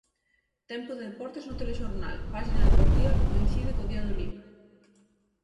Tempo de deportes no telexornal, páxina deportiva que coincide co Día do Libro.